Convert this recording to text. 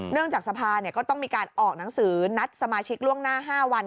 จากสภาก็ต้องมีการออกหนังสือนัดสมาชิกล่วงหน้า๕วัน